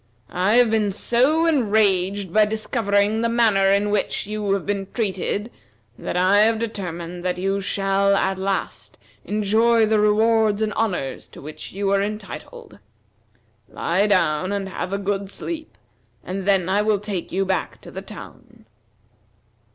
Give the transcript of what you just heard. I have been so enraged by discovering the manner in which you have been treated that I have determined that you shall at last enjoy the rewards and honors to which you are entitled. Lie down and have a good sleep, and then I will take you back to the town."